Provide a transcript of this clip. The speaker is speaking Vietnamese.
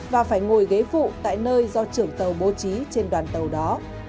và phải ngồi ghế phụ tại nơi do trưởng tàu bố trí trên đoàn tàu đó